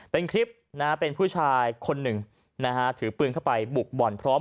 เป็นคลิปนะฮะเป็นผู้ชายคนหนึ่งนะฮะถือปืนเข้าไปบุกบ่อนพร้อม